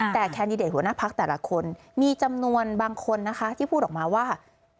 แต่แคนดิเดตหัวหน้าพักแต่ละคนมีจำนวนบางคนนะคะที่พูดออกมาว่า